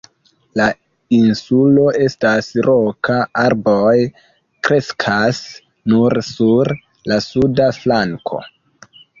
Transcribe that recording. La insulo estas roka, arboj kreskas nur sur la suda flanko.